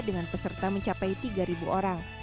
dengan peserta mencapai tiga orang